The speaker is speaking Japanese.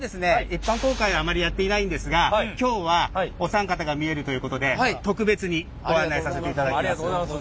一般公開はあまりやっていないんですが今日はお三方が見えるということで特別にご案内させていただきます。